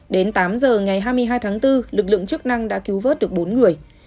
đến tám giờ ngày hai mươi hai tháng bốn lực lượng chức năng đã cứu vớt được bốn người